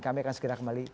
kami akan segera kembali